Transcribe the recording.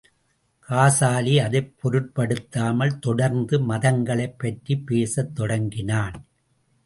காசாலி அதைப் பொருட்படுத்தாமல், தொடர்ந்து மதங்களைப் பற்றிப் பேசத் தொடங்கினான்.